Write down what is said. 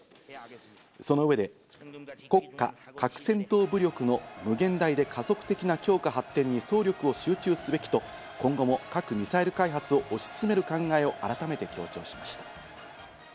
その上で、国家核戦闘武力の無限大で加速的な強化発展に総力を集中すべきと今後も核・ミサイル開発を推し進める考えを改めて強調しました。